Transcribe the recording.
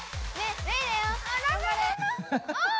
メイだよ。